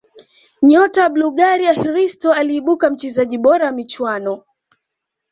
nyota wa bulgaria hristo aliibuka mchezaji bora wa michuano